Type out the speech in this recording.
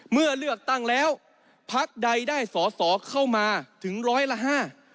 เมื่อเลือกตั้งแล้วพักใดได้สอสอเข้ามาถึงร้อยละห้า